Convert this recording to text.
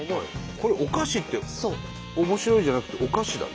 これ「お菓子」って「面白い」じゃなくて「お菓子」だね。